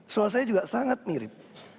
suasanya juga sangat mirip